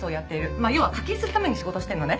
まあ要は課金するために仕事をしてるのね。